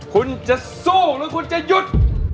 คุณจะสู้หรือคุณจะหยุด